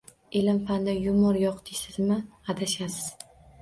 Ilm-fanda yumor yo‘q deysizmi? Adashasiz!